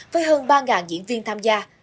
với hơn ba diễn viên tham gia